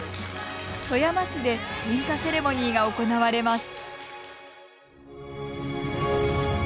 富山市で点火セレモニーが行われます。